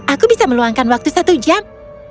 aku bisa meluangkan waktu satu jam